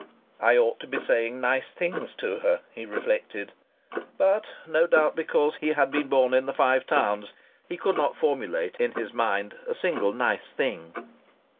"I ought to be saying nice things to her," he reflected. But, no doubt because he had been born in the Five Towns, he could not formulate in his mind a single nice thing.